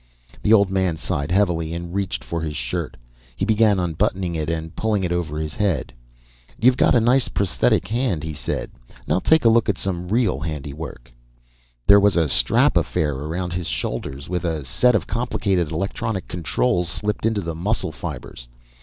The old man sighed heavily and reached for his shirt. He began unbuttoning it and pulling it over his head. "You've got a nice prosthetic hand," he said. "Now take a look at some real handiwork!" There was a strap affair around his shoulders, with a set of complicated electronic controls slipped into the muscle fibers.